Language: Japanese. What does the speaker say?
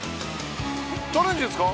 チャレンジですか？